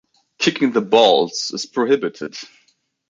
Kicking the balls is prohibited.